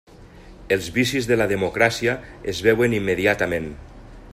Els vicis de la democràcia es veuen immediatament.